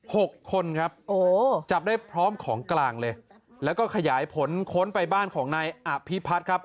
หกคนครับโอ้จับได้พร้อมของกลางเลยแล้วก็ขยายผลค้นไปบ้านของนายอภิพัฒน์ครับ